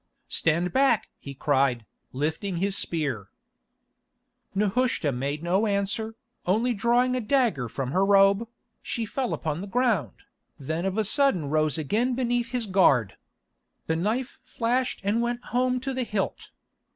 "Stand back!" he cried, lifting his spear. Nehushta made no answer, only drawing a dagger from her robe, she fell upon the ground, then of a sudden rose again beneath his guard. The knife flashed and went home to the hilt.